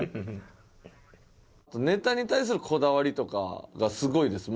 ネタに対するこだわりとかがすごいです